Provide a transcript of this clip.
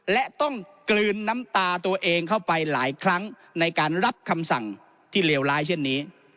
และต้องกลืนน้ำตาตัวเองเข้าไปหลายครั้งในการรับคำสั่งที่เลวร้ายเช่นนี้